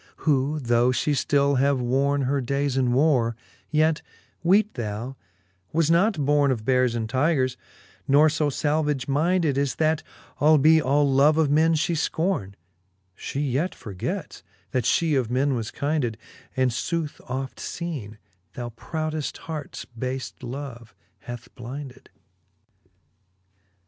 who though fhe ftill have worne Her days in warre_, yet, weete thou, was not borne Of beares and tygres, nor io falvage mynded, As that, albe all love of men fhe fcorne, She yet forgets, that (he of men was kynded : And footh oft feene^ that proudeft harts bale love hath blynded.